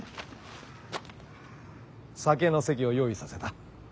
酒の席を用意させた。